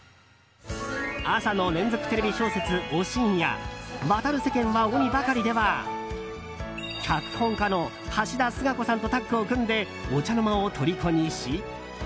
朝の連続テレビ小説「おしん」や「渡る世間は鬼ばかり」では脚本家の橋田壽賀子さんとタッグを組んでお茶の間をとりこにし。